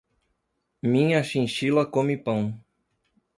Minha chinchila come pão.